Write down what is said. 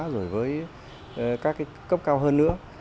rồi với các cái cấp cao hơn nữa